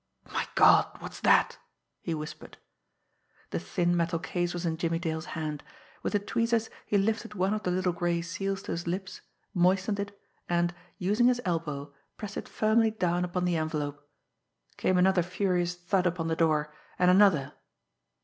"My God, what's that!" he whispered. The thin metal case was in Jimmie Dale's hand. With the tweezers, he lifted one of the little gray seals to his lips, moistened it, and, using his elbow, pressed it firmly down upon the envelope. Came another furious thud upon the door and another.